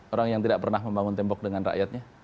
orang yang tidak pernah membangun tembok dengan rakyatnya